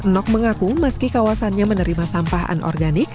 nok mengaku meski kawasannya menerima sampah anorganik